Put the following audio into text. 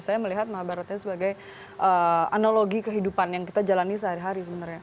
saya melihat mahabaratnya sebagai analogi kehidupan yang kita jalani sehari hari sebenarnya